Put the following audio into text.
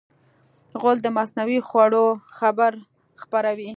غول د مصنوعي خوړو خبر خپروي.